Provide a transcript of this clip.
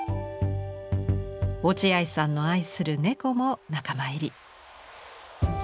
落合さんの愛する猫も仲間入り。